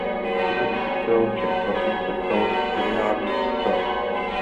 Dřevěný kostel Všech svatých se stal filiálním kostelem.